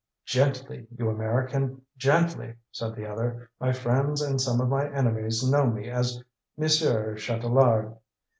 "Gently, you American, gently!" said the other. "My friends, and some of my enemies, know me as Monsieur Chatelard."